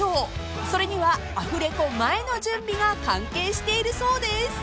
［それにはアフレコ前の準備が関係しているそうです］